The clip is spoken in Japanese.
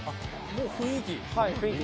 もう雰囲気？